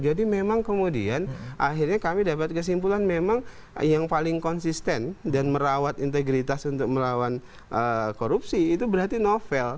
jadi memang kemudian akhirnya kami dapat kesimpulan memang yang paling konsisten dan merawat integritas untuk melawan korupsi itu berarti novel